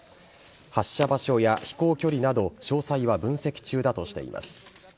発射場所や飛行距離など詳細は分析中だとしています。